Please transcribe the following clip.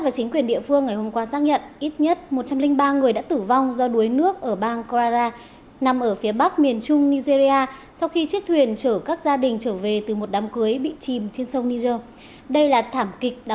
cảm ơn các bạn đã xem